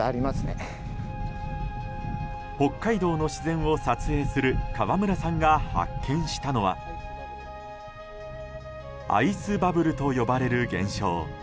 北海道の自然を撮影する川村さんが発見したのはアイスバブルと呼ばれる現象。